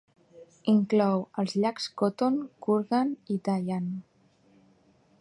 Inclou els llacs Khoton, Khurgan i Dayan.